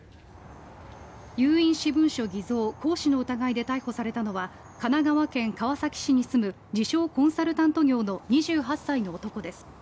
有印私文書偽造・行使の疑いで逮捕されたのは神奈川県川崎市に住む自称・コンサルタント業の２８歳の男です。